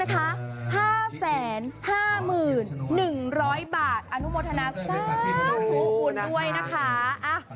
ตั้งอีกครั้งนะคะ๕๕๑๐๐บาทอนุโมทนาสาธุคุณด้วยนะคะ